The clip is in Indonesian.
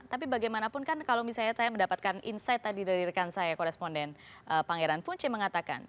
tapi bagaimanapun kan kalau misalnya saya mendapatkan insight tadi dari rekan saya koresponden pangeran punce mengatakan